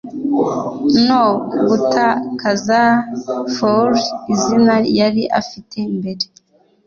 no gutakaza Forli izina yari afite mbere